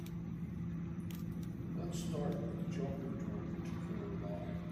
Let's start with jumping to a particular line.